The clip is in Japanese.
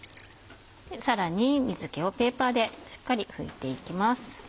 さらに水気をペーパーでしっかり拭いていきます。